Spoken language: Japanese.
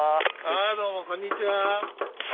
ああどうもこんにちは。